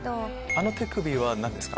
あの手首は何ですか？